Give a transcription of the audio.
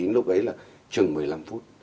lúc ấy là chừng một mươi năm phút